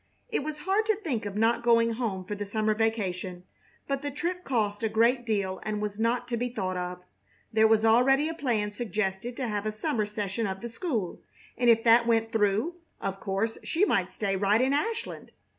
It was hard to think of not going home for the summer vacation; but the trip cost a great deal and was not to be thought of. There was already a plan suggested to have a summer session of the school, and if that went through, of course she must stay right in Ashland.